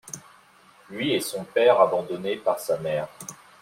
Lui et son père abandonné par sa mère.